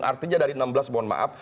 artinya dari enam belas mohon maaf